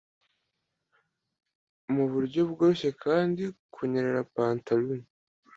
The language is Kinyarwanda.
Muburyo bworoshye kandi kunyerera pantaloon